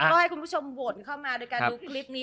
ก็ให้คุณผู้ชมบ่นเข้ามาโดยการดูคลิปนี้